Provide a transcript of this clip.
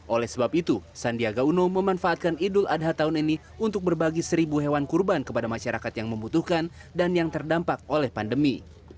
oleh sebab itu sandiaga uno memanfaatkan idul adha tahun ini untuk berbagi seribu hewan kurban kepada masyarakat yang membutuhkan dan yang terdampak oleh pandemi